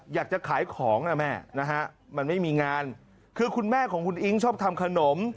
อยากจะขายของนะแม่นะฮะมันไม่มีงานคือคุณแม่ของคุณอิ๊งชอบทำขนม